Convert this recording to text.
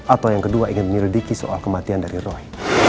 atau yang kedua ingin menyelidiki soal kematian dari roy